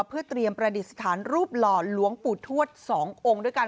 เพื่อเตรียมประดิษฐานรูปหล่อหลวงปู่ทวด๒องค์ด้วยกัน